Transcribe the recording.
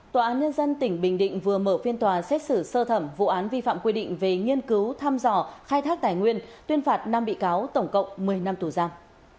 tòa án nhân dân tỉnh bình định vừa mở phiên tòa xét xử sơ thẩm vụ án vi phạm quy định về nghiên cứu thăm dò khai thác tài nguyên tuyên phạt năm bị cáo tổng cộng một mươi năm tù giam